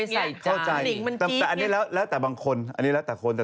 สร้างเรื่อง